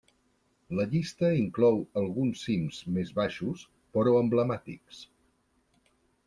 La llista inclou alguns cims més baixos però emblemàtics.